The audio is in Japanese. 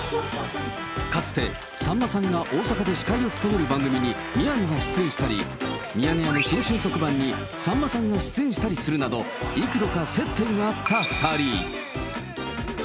かつてさんまさんが大阪で司会を務める番組に宮根が出演したり、ミヤネ屋の新春特番にさんまさんが出演したりするなど、幾度か接点があった２人。